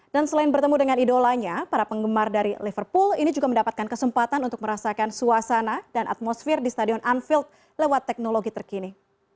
dan selain bertemu dengan idolanya para penggemar dari liverpool ini juga mendapatkan kesempatan untuk merasakan suasana dan atmosfer di stadion anfield lewat teknologi terkini